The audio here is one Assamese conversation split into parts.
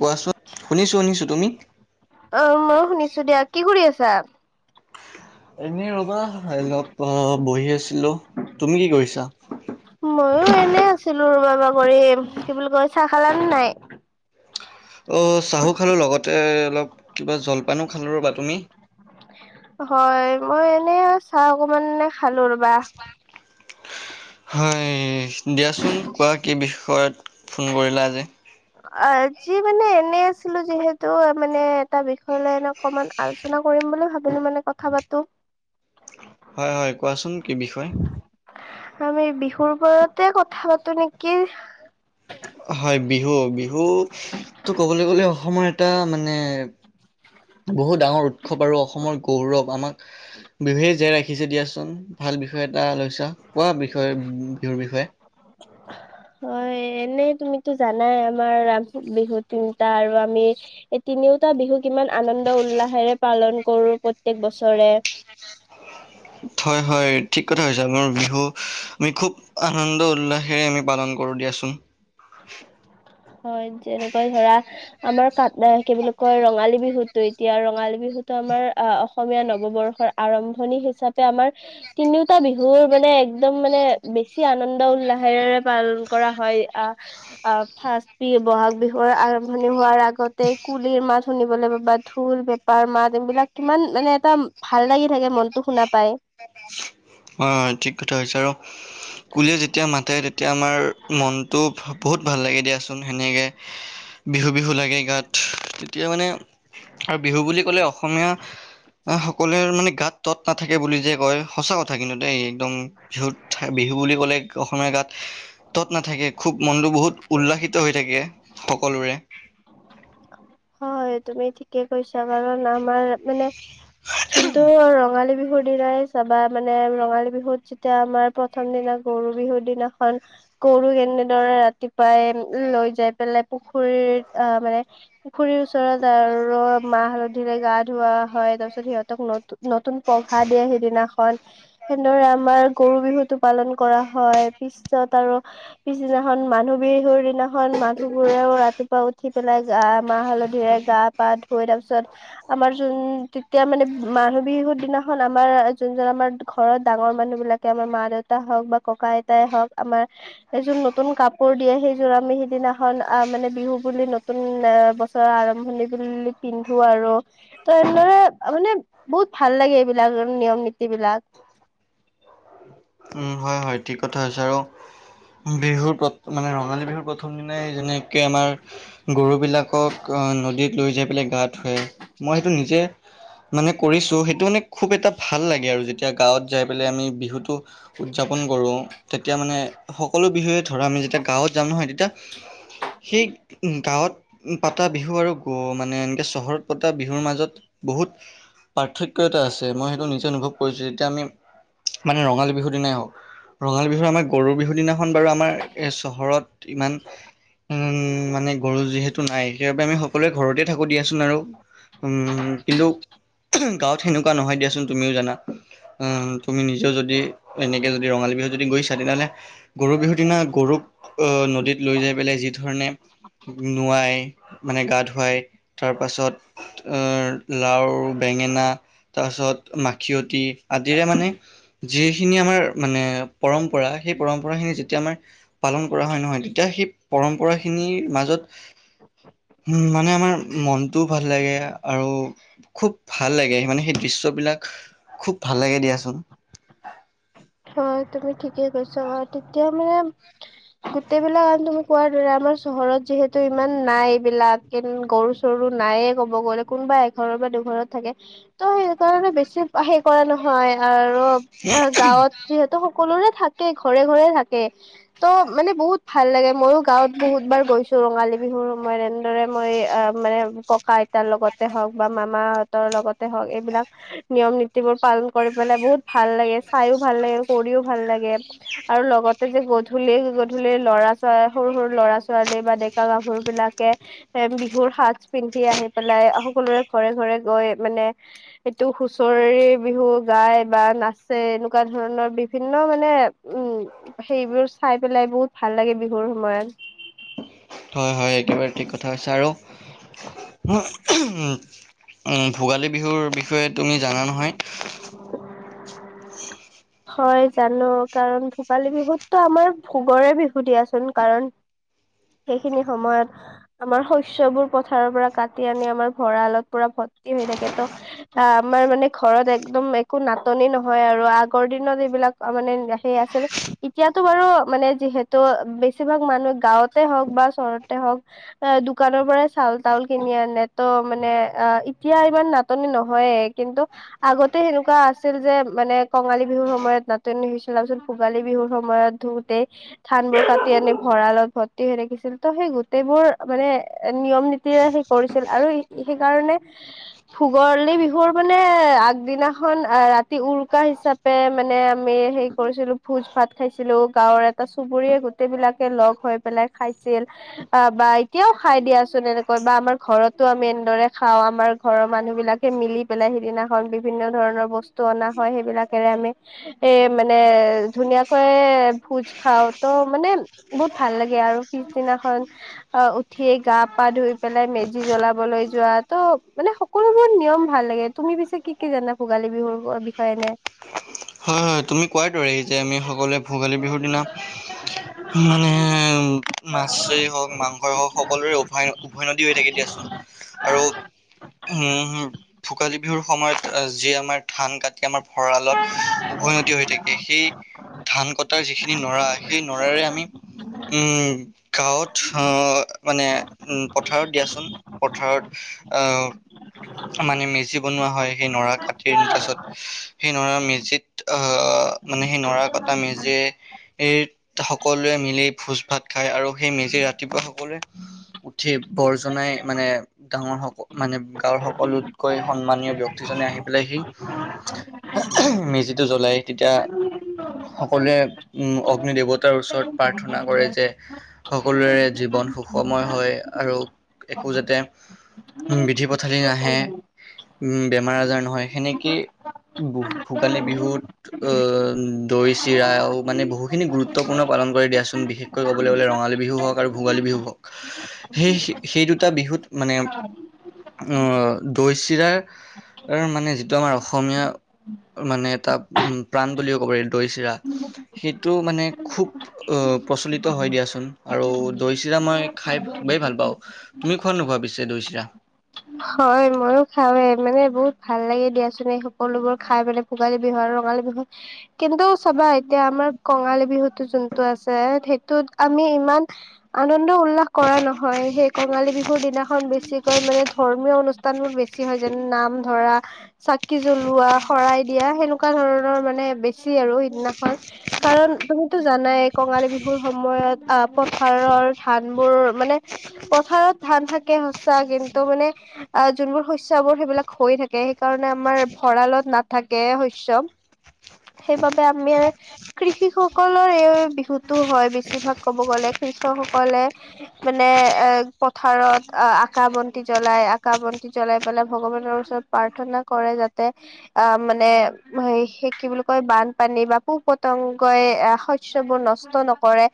কোৱাচোন! শুনিছো শুনিছো। তুমি? অ' ময়ো শুনিছো দিয়া। কি কৰি আছা? এনে ৰবা! হাইলত বহি আছিলো। তুমি কি কৰিছা? ময়ো এনে আছিলো, [unintelligible] কৰি। কি বুলি কয় চাহ খালানে নাই? অ' চাহো খালো লগতে অলপ কিবা জলপানো খালোঁ ৰ'বা! তুমি? হয় মই এনে আৰু চাহ অকমানে খালো ৰ'বা! হয় দিয়াচোন কোৱা কি বিষয়ত ফোন কৰিলা আজি? আজি মানে এনে আছিলো যিহেতু মানে এটা বিষয় লৈ এনে অকমান আলোচনা কৰিম বুলি ভাবিলো, মানে কথা পাতো। হয় হয়, কোৱাচোন কি বিষয়? আমি বিহুৰ ওপৰতে কথা পাতো নেকি? হয় বিহু বিহুতো ক'বলৈ গ'লে অসমৰ এটা মানে বহুত ডাঙৰ উৎসৱ, আৰু অসমৰ গৌৰৱ। আমাক বিহুৱে জীয়াই ৰাখিছে দিয়াচোন! ভাল বিষয়ে এটা লৈছা কোৱা বিষয়ে বিহুৰ বিষয়ে। [inaudible] হয় এনে তুমিতো জানাই আমাৰ বিহু তিনটা আৰু আমি তিনিওটা বিহু কিমান আনন্দ উল্লাসেৰে পালন কৰোঁ প্ৰত্যেক বছৰে। [unintelligible] হয় হয়, ঠিক কথা কৈছা। আমাৰ বিহু আমি খুব আনন্দ উল্লাসেৰে আমি পালন কৰো দিয়াচোন। হয়, যেনেকৈ ধৰা আমাৰ [unintelligible] কি বুলি কয় ৰঙালী বিহুতো! এতিয়া ৰঙালী বিহুতো আমাৰ আহ' অসমীয়া নৱবৰ্ষৰ আৰম্ভণি হিচাপে আমাৰ তিনিওটা বিহুৰ মানে একদম মানে বেছি আনন্দ উল্লাহেৰে পালন কৰা হয়। আ' অ' ফাৰ্ষ্ট বি- বহাগ বিহুৰ আৰম্ভণি হোৱাৰ আগতে কুলিৰ মাত শুনিবলৈ পাবা, ঢোল পে পাৰ মাত এইবিলাক কিমান মানে এটা ভাল লাগি থাকে মনটো শুনা পাই। অ' ঠিক কথা হৈছে আৰু কুলিয়ে যেতিয়া মাতে, তেতিয়া আমাৰ মনটো ভ- বহুত ভাল লাগে দিয়াচোন সেনেকে। [unintelligible] বিহু বিহু লাগে গাত। তেতিয়া মানে আৰু বিহু বুলি ক'লে অসমীয়া সকলোৰে মানে গাত তৎ নাথাকে বুলি যে কয়, সঁচা কথা কিন্তু দেই। একদম বিহুত বিহু বুলি ক'লে অসমীয়া গাত তৎ নাথাকে, খুব মনটো বহুত উল্লাসিত হৈ থাকে সকলোৰে। হয়, তুমি ঠিকে কৈছা বাৰু। নামাৰ মানে যোনটো ৰঙালী বিহুত দিনাই চাবা মানে ৰঙালী বিহুত যেতিয়া আমাৰ প্ৰথম দিনা গৰু বিহুৰ দিনাখন গৰুক কেনেদৰে ৰাতিপুৱাই লৈ যাই পেলাই পুখুৰীত আহ মানে পুখুৰীৰ ওচৰত আৰু মাহ হালধিৰে গা ধুওৱা হয়। তাৰ পিছত সিহঁতক নতু- নতুন পঘা দিয়ে সিদিনাখন সেনেদৰে আমাৰ গৰু বিহুটো পালন কৰা হয়। পিছত আৰু পিছদিনাখন মানুহ বিহুৰ দিনাখন মানুহবোৰেও ৰাতিপুৱা উঠি পেলাই গা মাহ হালধিৰে গা-পা ধুৱে, তাৰ পিছত আমাৰ যোন- তেতিয়া মানে মানুহ বিহুৰ দিনাখন আমাৰ যোনজন আমাৰ ঘৰত ডাঙৰ মানুহবিলাক তে আমাৰ মা দেউতা হওঁক বা ককা আইতাই হওঁক, আমাৰ এযোৰ নতুন কাপোৰ দিয়ে, সেইযোৰ আমি সিদিনাখন আহ মানে বিহু বুলি নতুন আহ বছৰৰ আৰম্ভণি বুল্লি পিন্ধো আৰু। তো এনেদৰে মানে বহুত ভাল লাগে এইবিলাক নিয়ম নীতিবিলাক। উম, হয় হয়, ঠিক কথা হৈছে আৰু বিহুৰ প- মানে ৰঙালী বিহুৰ প্ৰথম মানে যেনেকে আমাৰ গৰুবিলাকক অ' নদীত লৈ পেলাই গা ধুৱে, মই সেইটো নিজে মানে কৰিছোঁ। সেইটো মানে খুব এটা ভাল লাগে আৰু যেতিয়া গাঁৱত যাই পেলাই আমি বিহুটো উদযাপন কৰোঁ, তেতিয়া মানে সকলো বিহুৱে ধৰা আমি যেতিয়া গাঁৱত যাম নহয় তেতিয়া [unintelligible] সেই গাঁৱত পাতা বিহু আৰু গ- মানে এনেকে চহৰত পতা বিহুৰ মাজত বহুত পাৰ্থক্য এটা আছে। মই সেইটো নিজে অনুভৱ কৰিছোঁ, যেতিয়া আমি মানে ৰঙালী বিহুৰ দিনাই হওঁক। ৰঙালী বিহু আমাৰ গৰুৰ বিহু দিনাখন বাৰু আমাৰ এ চহৰত ইমান উম মানে গৰু যিহেতু নাই, সেইবাবে আমি সকলোৱে ঘৰতে থাকোঁ দিয়াচোন আৰু। উম কিন্তু গাঁৱত সেনেকুৱা নহয় দিয়াচোন তুমিও জানা। উম তুমি নিজেও যদি এনেকে যদি ৰঙালী বিহুত যদি গৈছা, তেনেহ'লে গৰু বিহুৰ দিনা গৰুক আহ নদীত লৈ যাই পেলাই যি ধৰণে নোৱাই মানে গা ধুৱায়, তাৰ পাছত অ লাও, বেঙেনা, তাৰপাছত মাখিয়তী আদিৰে মানে যি খিনি আমাৰ মানে পৰম্পৰা, সেই পৰম্পৰাখিনি যেতিয়া আমাৰ পালন কৰা হয় নহয়, তেতিয়া সেই পৰম্পৰাখিনিৰ মাজত মানে আমাৰ মনটোও ভাল লাগে আৰু খুব ভাল লাগে, সেই মানে সেই দৃশ্যবিলাক খুব ভাল লাগে দিয়াচোন। হয়, তুমি ঠিকে কৈছা বাৰু। তেতিয়া মানে গোটেইবলাক আন তুমি কোৱাৰ দৰে আমাৰ চহৰত যিহেতু ইমান নাই এইবিলাক। গৰু চৰু নাইয়ে ক'ব গ'লে এঘৰৰ বা দুঘৰত থাকে। তো সেইকাৰণে বেছি কৰা নহয় আৰু গাঁৱত যিহেতু সকলোৰে থাকে ঘৰে ঘৰে থাকে। তো মানে বহুত ভাল লাগে মইয়ও গাঁৱত বহুত বাৰ গৈছো ৰঙালী বিহুৰ সময়ত এনেদৰে মই অ'। মানে ককা আইতাৰ লগতে হওঁক বা মামাহঁতৰ লগতে হওঁক এইবিলাক নিয়ম নীতিবোৰ পালন কৰি পেলাই বহুত ভাল লাগে চাইও ভাল লাগে কৰিও ভাল লাগে আৰু লগত যে গধূলি গধূলি ল'ৰা ছো সৰু সৰু ল'ৰা ছোৱালী বা ডেকা গাভৰু বিলাকে এ বিহুৰ সাজ পিন্ধি আহি পেলাই সকলোৰে ঘৰে ঘৰে গৈ মানে সেইটো হুচৰি বিহু গায় বা নাচে। এনেকুৱা ধৰণৰ বিভিন্ন মানে উম। সেইবোৰ চায় পেলাই বহুত ভাল লাগে বিহুৰ সময়ত। হয় হয় একেবাৰে থিক কথা আৰু। ভোগালী বিহুৰ বিষয়ে তুমি জানা নহয়? [unintelligible] হয় জানো, কাৰণ ভোগালী বিহুতো আমাৰ ভোগৰে বিহু দিয়াচোন। কাৰণ সেইখিনি সময়ত আমাৰ শস্যবোৰ পথাৰৰ পৰা কাটি আনি আমাৰ ভঁৰালত পুৰা ভৰ্তি হৈ থাকে। ত আহ আমাৰ মানে ঘৰত একদম একো নাটনি নহয় আৰু, আগৰ দিনত এইবিলাক মানে সেই আছিল। এতিয়াতো বাৰু মানে যিহেতু বেছিভাগ মানুহ গাঁওঁতে হওঁক বা চহৰতে হওঁক অ' দোকানৰ পৰাই চাউল তাউল কিনি আনে তো মানে অ' এতিয়া ইমান নাটনি নহয়। হয়ে কিন্তু আগতে সেনেকুৱা আছিল যে মানে কঙালী বিহুৰ সময়ত নাটনি হৈছিল, তাৰপিছত ভোগালী বিহুৰ সময়ত ধোওঁতে ধান বোৰ কাটি আনি ভঁৰালত ভৰ্তি হৈ থাকিছিল, তো সেই গোটেইবোৰ মানে নিয়ম নীতিৰে কৰিছিল, আৰু সেইকাৰণে ভোগৰ বিহুৰ মানে আগদিনাখন ৰাতি উৰুকা হিচাপে মানে আমি হেৰি কৰিছিলো। ভোজ ভাত খাইছিলো, গাঁৱৰ গোটেইবিলাকে লগ হৈ পেলাই খাইছিল। অ' বা এতিয়াও খাই দিয়াচোন এনেকৈ বা আমাৰ ঘৰতো আমি এনেদৰে খাও আমাৰ ঘৰৰ মানুহ বিলাক। মিলি পেলাই সিদিনাখন বিভিন্ন ধৰণৰ বস্তু অনা হয়, হেইবিলাকেৰে আমি এ মানে ধুনীয়াকৈ ভোজ খাওঁ, তো মানে বহুত ভাল লাগে আৰু, পিছদিনাখন অ' উঠি গা পা ধুই পেলাই মেজি জ্বলাবলৈ যোৱা তো মানে সকলোবোৰ নিয়ৰ ভাল লাগে। তুমি পিছে কি কি জানা ভোগালী বিহুৰ বিষয়ে এনে? হয়, হয়, তুমি কোৱাৰ দৰে যে আমি সকলোৱে ভোগালী বিহুৰ দিনা [unintelligible] মানে মাছ হওঁক মাংসই হওঁক সকলোৰে উভয় উভয়নদী হৈ থাকে দিয়াচোন। আৰু হুম। ভোগালী বিহুৰ সময়ত যে আমাৰ ধান কাটি আমাৰ ভঁৰালত উভৈয়নদী হৈ থাকে, সেই ধান কটাৰ যিখিনি নৰা সেই নৰাৰে আমি উম, গাঁৱত মানে উ পথাৰত দিয়াচোন পথাৰত আহ মানে মেজি বনোৱা হয় সেই নৰা কাটি আনি, পাছত সেই নৰা মেজিত অ' মানে নৰা কটা মেজিত মিলি সকলোৱে ভোজ ভাত খাই আৰু সেই মেজি ৰাতিপুৱা সকলোৱে উঠি বৰ জনাই মানে ডাঙৰ স মানে গাঁৱৰ সকলোতকৈ সন্মানীয় ব্যক্তিজনে আহি পেলাই সি [unintelligible] মেজিটো জ্বলাই তেতিয়া সকলোৱে উম, অগ্নি দেৱতাৰ ওচৰত প্ৰাৰ্থনা কৰে যে সকলোৰে জীৱন সুখময় হয় আৰু একো যাতে বিধি পথালি নাহে। উম, বেমাৰ আজাৰ নহয় সেনেকেই ভোগালী বিহুত অ' দৈ চিৰাও মানে বহুখিনি গুৰুত্বপূৰ্ণ পালন কৰি দিয়াচোন বিশেষ কৈ ক'বলৈ গ'লে ৰঙালী বিহু হওঁক আৰু ভোগালী বিহু হওঁক। সেই, সেই দুটা বিহুত মানে আহ দৈ চিৰা মানে আমাৰ অসমীয়া মানে এটা উম, প্ৰাণ বুলিও ক'ব পাৰি। দৈ চিৰা সেইটো মানে খুব প্ৰচলিত হয় দিয়াচোন আৰু দৈ চিৰা মই খাই খুবেই ভাল পাওঁ, তুমি খোৱা নে নোখোৱা পিছে দৈ চিৰা? হয় ময়ো খাওঁৱে মানে বহুত ভাল লাগে দিয়াচোন সকলোবোৰ খাই পেলাই। ভোগালী বিহু আৰু ৰঙালী বিহু কিন্তু চাবা এতিয়া আমাৰ কঙালী বিহুতো যোনটো আছে সেইটোত আমি ইমান আনন্দ উল্লাস কৰা নহয়, সেই কঙালী বিহুৰ দিনাখন বেছিকৈ মানে ধৰ্মীয় অনুষ্ঠান বোৰ বেছি হয় যেনে নাম ধৰা চাকি জ্বলোৱা শৰাই দিয়া, সেনেকুৱা ধৰণৰ মানে বেছি আৰু সিদিনাখন। কাৰণ তুমিতো, জানাই কঙালী বিহুৰ সময়ত আহ পথাৰ ধান বোৰ মানে পথাৰত ধান থাকে সচা কিন্তু মানে আহ যোনবোৰ শস্য সেইবিলাক হৈ থাকে সেইকাৰণে আমাৰ ভঁৰালত নাথাকে শস্য। সেইবাবে আমি আৰ কৃষি সকলৰ এই বিহুতো হয়, বেছিভাগ ক'ব গলে কৃষকসকলে মানে এ পথাৰত আকা, বন্তি জ্বলাই আকা বন্তি জ্বলাই পেলাই ভগৱানৰ ওচৰত প্ৰাৰ্থনা কৰে, যাতে আহ মানে কি বুলি কয়, বানপানী বা পোক-পতংগই আহ শস্যবোৰ নষ্ট নকৰে।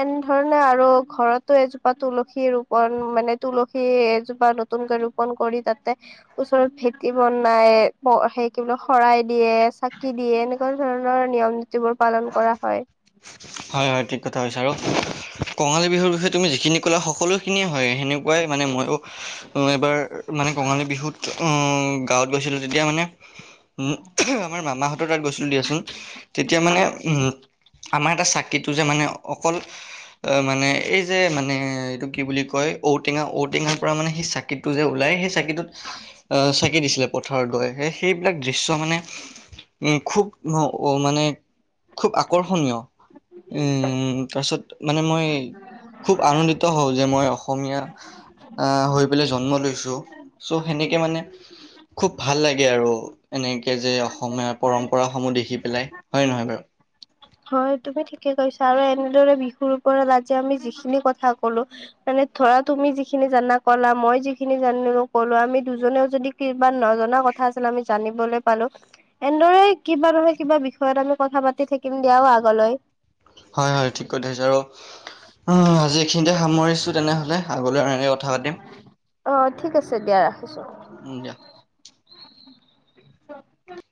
এনেধৰণে আৰু ঘৰতো, এজোপা তুলসী ৰোপন মানে তুলসী এজোপা নতুন কে ৰোপণ কৰি তাতে ওচৰত ভেটি বনাই, সে কি বোলে শৰাই দিয়ে ছাকি দিয়ে এনেকুৱা, ধৰণৰ নিয়ম নীতিবোৰ পালন কৰা হয়। হয়, হয় ঠিক কথা কৈছা আৰু কঙালী বিহুৰ বিষয়ে তুমি যিখিনি ক'লা, সকলোখিনিয়ে হয় সেনেকুৱাই মানে মই এবাৰ মানে কঙালী বিহুত আহ গাঁৱত গৈছিলো তেতিয়া মানে। আমাৰ মামাহঁতৰ তাত গৈছিলো দিয়াচোন তেতিয়া মানে উম, আমাৰ এটা চাকিটো যে মানে অকল অ' মানে এই যে মানে এইটো কি বুলি কয়, ঔটেঙা, ঔটেঙাৰ পৰা মানে সিচাক চাকিটো যে ওলাই সেই চাকিটোত চাকি দিছিলে, পথাৰত গৈ সেইবিলাক দৃশ্য মানে উম, খুব ন অ' মানে খুব আকৰ্ষণীয়। উম, তাৰপিছত। মানে মই খুব আনন্দিত হওঁ যে মই অসমীয়া আহ হৈ জন্ম লৈছো চ' সেনেকে মানে খুব ভাল লাগে আৰু এনেকৈ যে অসমীয়া পৰম্পৰাসমূহ দেখি পেলাই। হয় নহয় বাৰু? হয়, তুমি ঠিকে কৈছা আৰু এনেদৰে বিহুৰ ওপৰত আজি আমি যিখিনি কথা ক'লো মানে ধৰা তুমি যিখিনি জানা ক'লা, মই যিখিনি জানো ক'লো, আমি দুজনেও যদি কিবা নজনা কথা আছিল, আমি জানিবলৈ পালো। এনেদৰে কিবা নহয় কিবা বিষয়ত আমি পাতি থাকিম দিয়া আগলৈ। হয়, হয় ঠিক কথা কৈছা আৰু, আজি এইখিনিতে সামৰিছো তেনেহ'লে আগলৈ কথা পাতিম অ', ঠিক আছে দিয়া ৰাখিছো। উম দিয়া। [unintelligible]